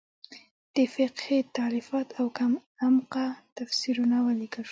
د فقهې تالیفات او کم عمقه تفسیرونه ولیکل شول.